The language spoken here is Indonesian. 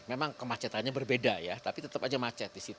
memang kemacetannya berbeda ya tapi tetap aja macet di situ